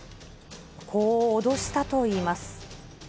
こう脅したといいます。